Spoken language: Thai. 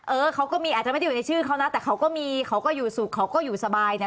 เออเขาก็มีอาจจะไม่ได้อยู่ในชื่อเขานะแต่เขาก็มีเขาก็อยู่สุขเขาก็อยู่สบายนะ